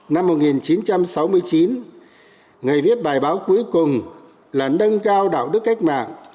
năm một nghìn chín trăm sáu mươi chín người viết bài báo cuối cùng là nâng cao đạo đức cách mạng